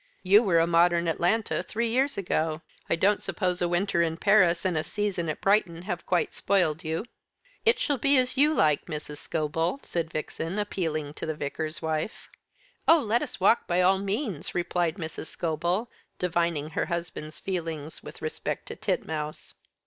You were a modern Atalanta three years ago. I don't suppose a winter in Paris and a season at Brighton have quite spoiled you." "It shall be as you like, Mrs. Scobel," said Vixen, appealing to the Vicar's wife. "Oh, let us walk by all means," replied Mrs. Scobel, divining her husband's feelings with respect to Titmouse.